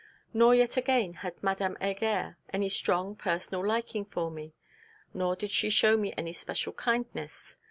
Nor yet again had Madame Heger any strong personal liking for me; nor did she show me any special kindness.